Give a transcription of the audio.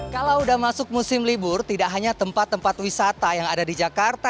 kalau sudah masuk musim libur tidak hanya tempat tempat wisata yang ada di jakarta